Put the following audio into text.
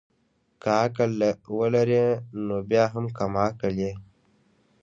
که عقل ولري نو بيا هم کم عقل يي